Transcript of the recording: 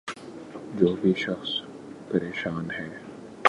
جو بھی شخص پریشان ہے